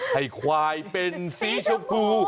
ให้ควายเป็นสีชมพู